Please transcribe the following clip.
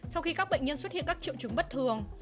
sau khi các bệnh nhân xuất hiện các triệu chứng bất thường